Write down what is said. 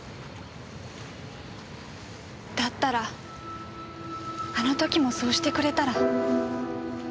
だったらあの時もそうしてくれたら。